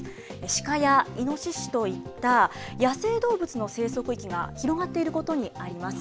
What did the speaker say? シカやイノシシといった野生動物の生息域が広がっていることにあります。